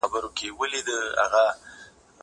زه پرون ونې ته اوبه ورکوم.